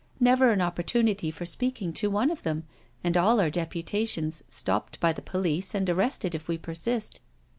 Never an opportunity for speaking to one of them, and all our deputations stopped by the police and arrested if we persist.